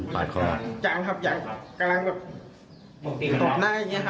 คือกลบแบบบกตกหน้า